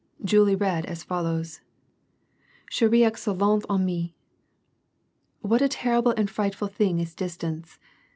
Julie read as follows, —*" Ch^re et excellente amie :— What a terrible and frightful thing is distance